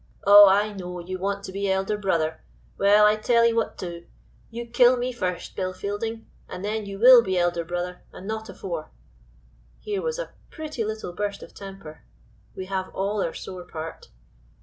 Oh! I know you want to be elder brother. Well, I tell'ee what do; you kill me first, Bill Fielding, and then you will be elder brother, and not afore." Here was a pretty little burst of temper! We have all our sore part.